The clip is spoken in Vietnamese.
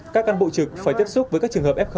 các căn bộ trực phải tiếp xúc với các trường hợp f